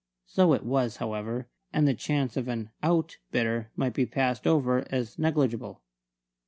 So it was, however; and the chance of an "out" bidder might be passed over as negligible.